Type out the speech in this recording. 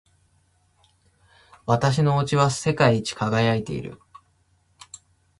私の押しは世界一輝いている。